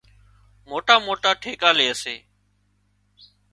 موٽا موٽا ٺيڪا لي سي